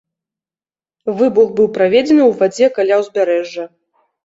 Выбух быў праведзены ў вадзе каля ўзбярэжжа.